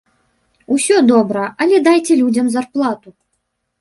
Усё добра, але дайце людзям зарплату!